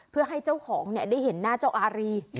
เพื่อให้เจ้าของได้เห็นหน้าเจ้าอารี